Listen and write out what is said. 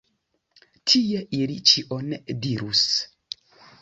Tie ili ĉion dirus.